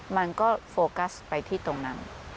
มันก็โฟกัสไปที่ตรงนั้น